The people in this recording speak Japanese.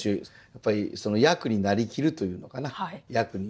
やっぱりその役に成りきるというのかな役に。